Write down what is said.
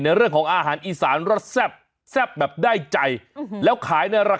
เรื่องของอาหารอีสานรสแซ่บแซ่บแบบได้ใจแล้วขายในราคา